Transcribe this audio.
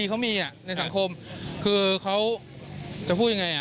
เค้าด่าทอเค้า